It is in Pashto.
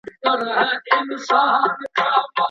آیا د وخت سمه کارونه په زده کړه کي اسانتیا راولي؟